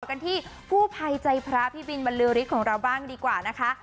ต่อกันที่ผู้ภัยจายพระพิบิลบอลลูระฯทของเราบ้างดีกว่านะคะ